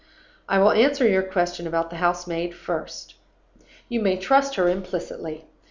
"I will answer your question about the house maid first. You may trust her implicitly.